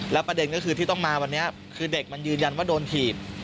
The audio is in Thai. ประเด็นก็คือที่ต้องมาวันนี้คือเด็กมันยืนยันว่าโดนถีบ